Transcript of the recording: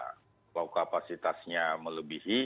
kalau kapasitasnya melebihi